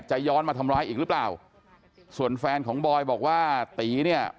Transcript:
ย้อนมาทำร้ายอีกหรือเปล่าส่วนแฟนของบอยบอกว่าตีเนี่ย